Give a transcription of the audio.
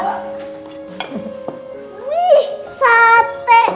ayo neneng duduk situ ikut makan bareng sama kita